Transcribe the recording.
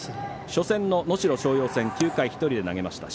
初戦の能代松陽戦９回、１人で投げました。